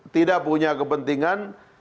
tidak punya kepentingan